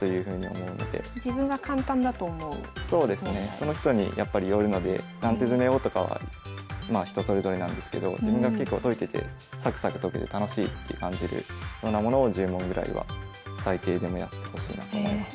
その人にやっぱりよるので何手詰めをとかはまあ人それぞれなんですけど自分が結構解いててさくさく解けて楽しいって感じるようなものを１０問ぐらいは最低でもやってほしいなと思います。